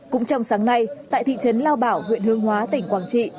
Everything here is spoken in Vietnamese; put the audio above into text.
cũng trong sáng nay tại thị trấn lao bảo huyện hương hóa tỉnh quảng trị